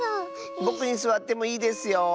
ぼくにすわってもいいですよ！